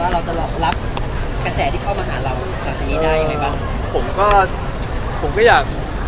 ว่าเราจะรอบกันแต่ที่เข้ามาหาเราศาสนี้ได้ยังไงบ้าง